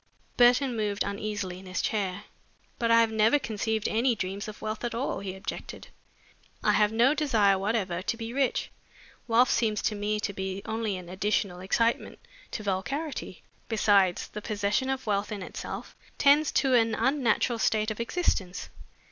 Burton moved uneasily in his chair. "But I have never conceived any dreams of wealth at all," he objected. "I have no desire whatever to be rich. Wealth seems to me to be only an additional excitement to vulgarity. Besides, the possession of wealth in itself tends to an unnatural state of existence.